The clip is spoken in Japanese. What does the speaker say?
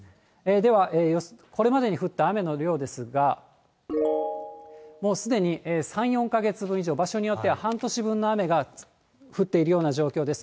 ではこれまでに降った雨の量ですが、もうすでに３、４か月以上、場所によっては半年分の雨が降っているような状況です。